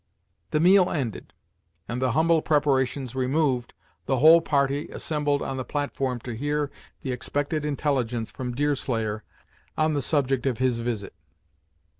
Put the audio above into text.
The meal ended, and the humble preparations removed, the whole party assembled on the platform to hear the expected intelligence from Deerslayer on the subject of his visit.